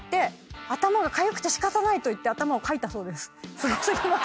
すご過ぎます。